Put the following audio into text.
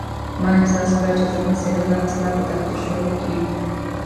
ما احساس کړه چې زما څېره به ستا په تحت الشعور کې.